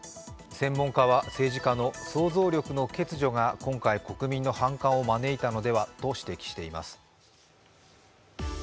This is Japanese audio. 専門家は政治家の想像力の欠如が今回国民の反感を招いたのではと指摘しています。